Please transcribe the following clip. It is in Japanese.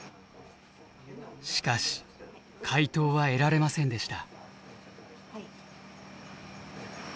しかし回答は得られませんでした。